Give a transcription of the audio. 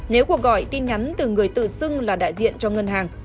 nếu cuộc gọi tin nhắn từ người tự xưng là đại diện cho ngân hàng